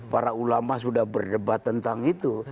para ulama sudah berdebat tentang itu